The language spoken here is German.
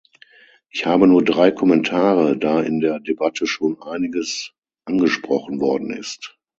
Ich habe nur drei Kommentare, da in der Debatte schon einiges angesprochen worden ist.